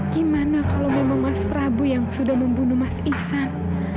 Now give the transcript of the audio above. gimana kalau memang mas prabu yang sudah membunuh mas ihsan